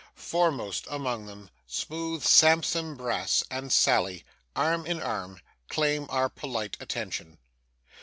Foremost among them, smooth Sampson Brass and Sally, arm in arm, claim our polite attention.